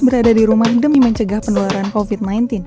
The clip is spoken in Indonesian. berada di rumah demi mencegah penularan covid sembilan belas